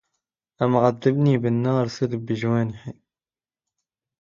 أمعذبي بالنار سل بجوانحي